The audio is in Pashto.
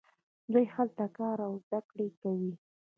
دوی هلته کار او زده کړه کوي.